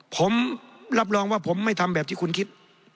ผมรับรองว่าผมไม่ทำแบบที่คุณคิด